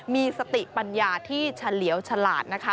มีสติปัญญาที่เฉลียวฉลาดนะคะ